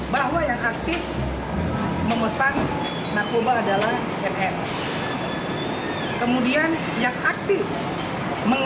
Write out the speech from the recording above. bahwa yang aktif memesan narkoba adalah nunung